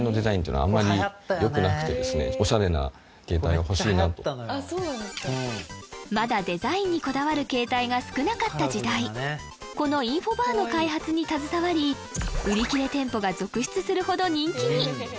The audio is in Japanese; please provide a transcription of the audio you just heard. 結構まだデザインにこだわる携帯が少なかった時代このＩＮＦＯＢＡＲの開発に携わり売り切れ店舗が続出するほど人気に！